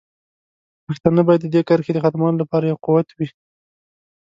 پښتانه باید د دې کرښې د ختمولو لپاره یو قوت وي.